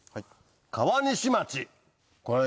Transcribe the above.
川西町。